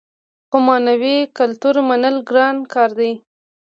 خو معنوي کلتور منل ګران کار دی.